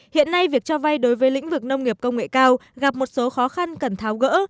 hiện nay việc cho vay đối với lĩnh vực nông nghiệp công nghệ cao gặp một số khó khăn cần tháo gỡ